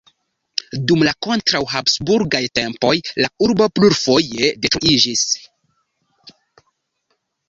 Dum la kontraŭ-Habsburgaj tempoj la urbo plurfoje detruiĝis.